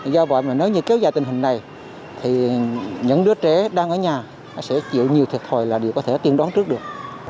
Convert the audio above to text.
do vậy mà nếu như kéo dài tình hình này thì những đứa trẻ đang ở nhà sẽ chịu nhiều thiệt thòi là điều có thể tiên đoán trước được